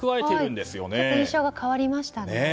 印象が変わりましたね。